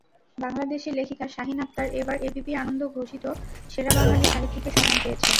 বাংলাদেশের লেখিকা শাহিন আখতার এবার এবিপি-আনন্দ ঘোষিত সেরা বাঙালি সাহিত্যিকের সম্মান পেয়েছেন।